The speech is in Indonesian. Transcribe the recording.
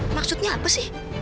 maksudnya apa sih